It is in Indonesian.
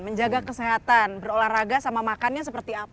menjaga kesehatan berolahraga sama makannya seperti apa